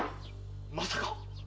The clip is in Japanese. まさか！